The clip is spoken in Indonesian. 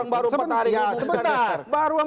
baru empat hari diumumkan